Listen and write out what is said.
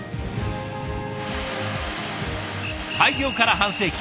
開業から半世紀。